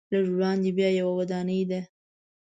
لږ وړاندې بیا یوه ودانۍ ده.